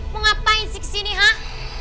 kenapa isi kesini hah